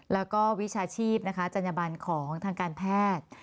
แล้วก็วิชาชีพจรรยาบาลของทางการแพทย์